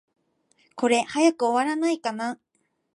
これ、早く終わらないかな。